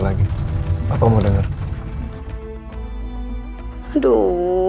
bikin jantung gua deg degan aja dah